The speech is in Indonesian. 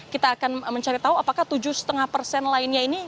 kita akan mencari tahu apakah tujuh lima persen lainnya ini